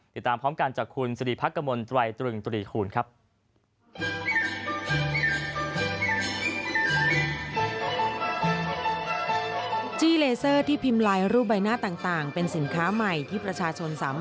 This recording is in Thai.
ติดตามพร้อมกันจากคุณสิริพักกมลตรายตรึงตรีคูณครับ